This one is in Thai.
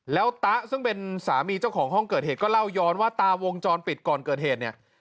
แล้วตะซึ่งเป็นสามีเจ้าของห้องเกิดเหตุก็เล่าย้อนว่าตาวงจรปิดก่อนเกิดเหตุเนี่ย